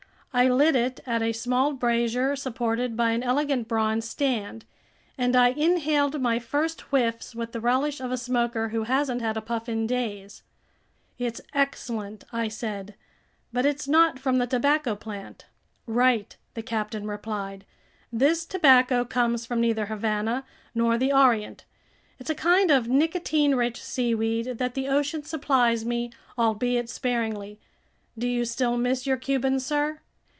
I lit it at a small brazier supported by an elegant bronze stand, and I inhaled my first whiffs with the relish of a smoker who hasn't had a puff in days. "It's excellent," I said, "but it's not from the tobacco plant." "Right," the captain replied, "this tobacco comes from neither Havana nor the Orient. It's a kind of nicotine rich seaweed that the ocean supplies me, albeit sparingly. Do you still miss your Cubans, sir?"